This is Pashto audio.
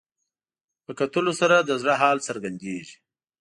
په کتلو سره د زړه حال څرګندېږي